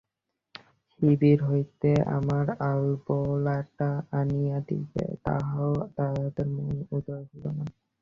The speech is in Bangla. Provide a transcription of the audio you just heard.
শিবির হইতে আমার আলবোলাটা আনিয়া দিবে, তাহাও ইহাদের মনে উদয় হইল না।